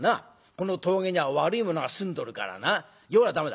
この峠には悪いものが住んどるからな夜は駄目だ。